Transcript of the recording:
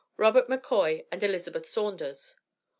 Robert McCoy and Elizabeth Saunders.